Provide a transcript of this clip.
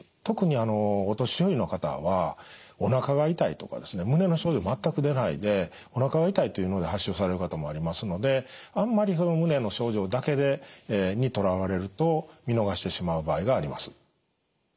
特にお年寄りの方はおなかが痛いとかですね胸の症状全く出ないでおなかが痛いというので発症される方もありますのであんまりその胸の症状だけにとらわれると見逃してしまう場合があります。